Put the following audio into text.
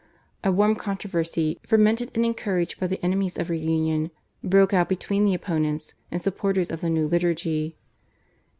A warm controversy, fomented and encouraged by the enemies of reunion, broke out between the opponents and supporters of the new liturgy.